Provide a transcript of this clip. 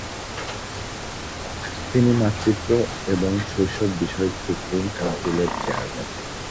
তিনি মাতৃত্ব এবং শৈশব বিষয়ক সুপ্রিম কাউন্সিলের চেয়ারম্যান।